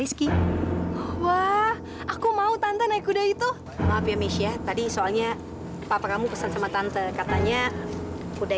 sampai jumpa di video selanjutnya